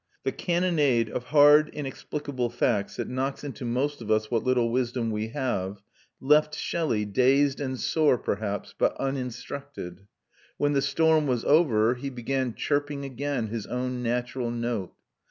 The cannonade of hard, inexplicable facts that knocks into most of us what little wisdom we have left Shelley dazed and sore, perhaps, but uninstructed. When the storm was over, he began chirping again his own natural note.